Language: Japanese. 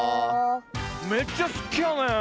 めっちゃすきやねん！